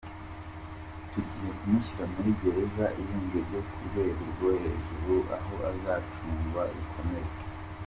"Tugiye kumushyira muri gereza irinzwe byo ku rwego rwo hejuru aho azacungwa bikomeye.